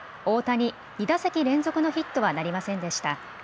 大谷、２打席連続のヒットはなりませんでした。